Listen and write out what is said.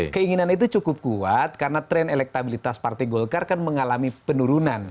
keinginan itu cukup kuat karena tren elektabilitas partai golkar kan mengalami penurunan